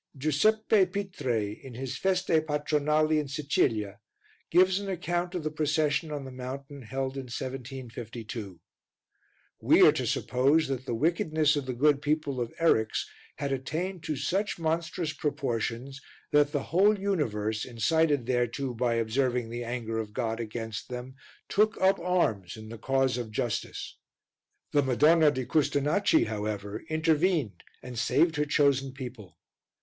Giuseppe Pitre, in his Feste Patronali in Sicilia, gives an account of the procession on the mountain held in 1752. We are to suppose that the wickedness of the good people of Eryx had attained to such monstrous proportions that the whole universe, incited thereto by observing the anger of God against them, took up arms in the cause of justice. The Madonna di Custonaci, however, intervened and saved her chosen people.